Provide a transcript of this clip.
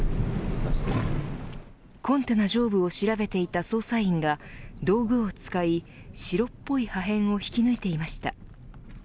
コンテナ上部を調べていた捜査員が道具を使い白っぽい破片を引き抜いていました。